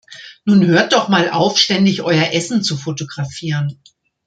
Nun hört doch mal auf, ständig euer Essen zu fotografieren!